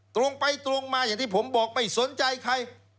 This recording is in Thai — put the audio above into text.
ตรงไปตรงมาอย่างที่ผมบอกไม่สนใจใคร